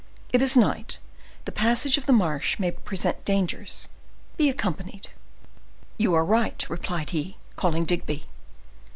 It is night, the passage of the marsh may present dangers; be accompanied." "You are right," replied he, calling Digby.